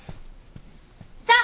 さあ！